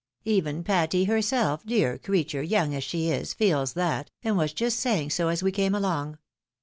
"Even Patty herself, dear creature ! young as she is, feels that, and was just saying so, as we came along.